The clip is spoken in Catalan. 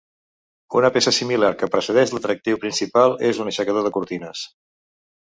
Una peça similar que precedeix l'atractiu principal és un aixecador de cortines.